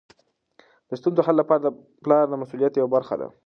د ستونزو حل د پلار د مسؤلیت یوه برخه ده.